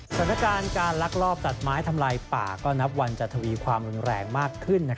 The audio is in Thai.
สถานการณ์การลักลอบตัดไม้ทำลายป่าก็นับวันจะทวีความรุนแรงมากขึ้น